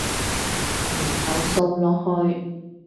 然後掃落去